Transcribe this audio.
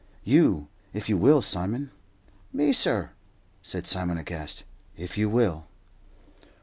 "You, if you will, Simon." "Me, sir?" said Simon, aghast. "If you will."